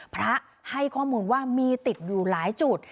พระให้ข้อมูลว่ามีติดอยู่หลายจุด